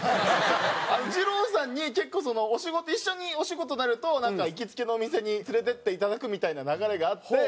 じろうさんに結構お仕事一緒にお仕事になると行きつけのお店に連れてっていただくみたいな流れがあって。